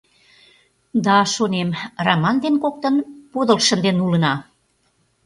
Да, шонем, Раман дене коктын подыл шынден улына.